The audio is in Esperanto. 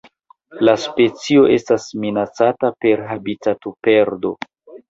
La specio estas minacata per habitatoperdo.